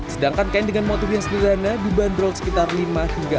sedangkan kain dengan motif yang sederhana dibanderol sekitar rp lima hingga rp enam ratus